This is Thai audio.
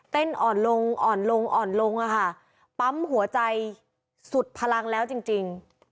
อ่อนลงอ่อนลงอ่อนลงอะค่ะปั๊มหัวใจสุดพลังแล้วจริงจริง